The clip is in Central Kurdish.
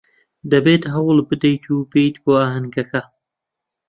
دەبێت هەوڵ بدەیت و بێیت بۆ ئاهەنگەکە.